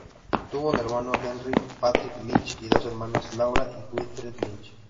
Tuvo un hermano, Henry Patrick Lynch y dos hermanas, Laura y Winifred Lynch.